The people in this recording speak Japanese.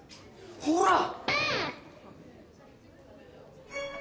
ほら！